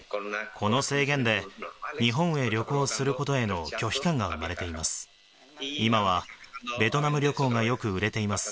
この制限で、日本へ旅行することへの拒否感が生まれています。